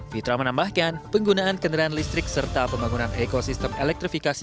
fitra menambahkan penggunaan kendaraan listrik serta pembangunan ekosistem elektrifikasi